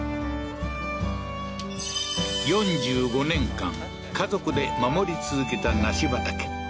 ４５年間家族で守り続けた梨畑